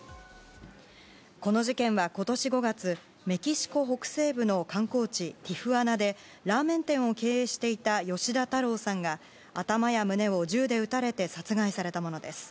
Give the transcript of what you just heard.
この事件は今年５月メキシコ北西部の観光地ティフアナでラーメン店を経営していたヨシダ・タロウさんが頭や胸を銃で撃たれて殺害されたものです。